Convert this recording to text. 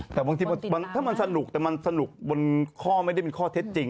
แต่บางทีถ้ามันสนุกแต่มันสนุกบนข้อไม่ได้มีข้อเท็จจริง